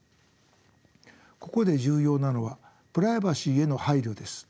ここで重要なのはプライバシーへの配慮です。